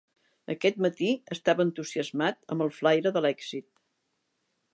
Aquest matí estava entusiasmat amb el flaire de l'èxit.